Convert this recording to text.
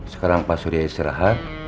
sekarang pak surya istirahat